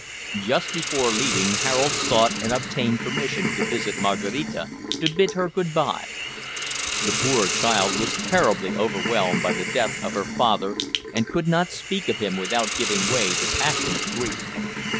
Just before leaving, Harold sought and obtained permission to visit Maraquita, to bid her good bye. The poor child was terribly overwhelmed by the death of her father, and could not speak of him without giving way to passionate grief.